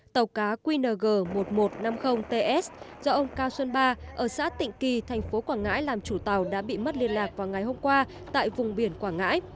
tàu cá qng một nghìn một trăm năm mươi ts do ông cao xuân ba ở xã tịnh kỳ tp quảng ngãi làm chủ tàu đã bị mất liên lạc vào ngày hôm qua tại vùng biển quảng ngãi